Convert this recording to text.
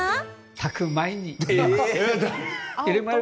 炊く前に入れます。